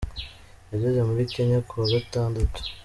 Yageze muri Kenya ku wa gatandatu.